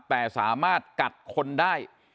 แต่สามารถกัดคนได้